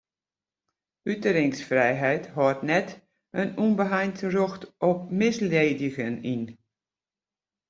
Uteringsfrijheid hâldt net in ûnbeheind rjocht op misledigjen yn.